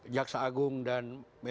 jaksa agung dan